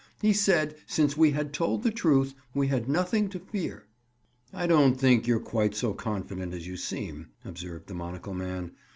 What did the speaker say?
He said, since we had told the truth, we had nothing to fear." "I don't think you're quite so confident as you seem," observed the monocle man.